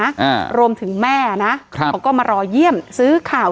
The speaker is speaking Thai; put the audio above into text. อ่ารวมถึงแม่นะครับเขาก็มารอเยี่ยมซื้อข่าว